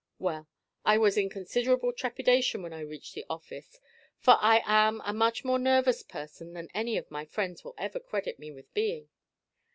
Well, I was in considerable trepidation when I reached the office, for I am a much more nervous person than any of my friends will ever credit me with being.